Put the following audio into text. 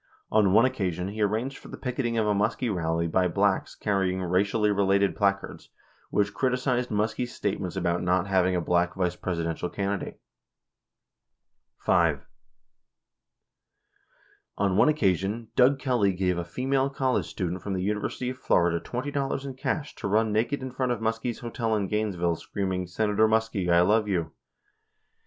On one occasion, he arranged for the picketing of a Muskie rally by blacks carrying "racially related placards" which criticized Muskie's statements about not having a black Vice Presidential can didate. 10 5. On one occasion, Doug Kelly gave a female college student from the University of Florida $20 in cash to run naked in front of Muskie's hotel in Gainesville, screaming, "Senator Muskie, I love you."